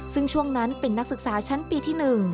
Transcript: ซึ่งช่วงนั้นเป็นนักศึกษาชั้นปีที่๑